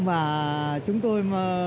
và chúng tôi